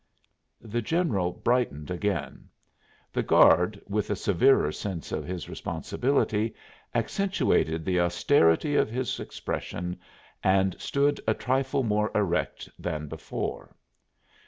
The general brightened again; the guard, with a severer sense of his responsibility, accentuated the austerity of his expression and stood a trifle more erect than before.